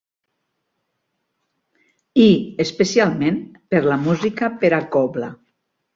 I, especialment, per la música per a cobla.